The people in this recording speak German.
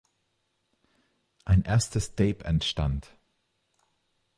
Ein erstes Tape entstand.